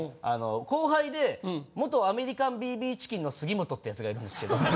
あの後輩で元アメリカンＢ．Ｂチキンの杉本っていうやつがいるんですけど。